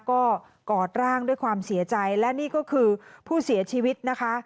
ก็กอดร่างด้วยความเสียใจและนี่ก็คือผู้เสียชีวิตนะคะ